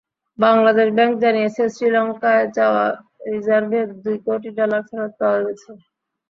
Bangladesh bank জানিয়েছে, শ্রীলঙ্কায় যাওয়া রিজার্ভের দুই কোটি ডলার ফেরত পাওয়া গেছে।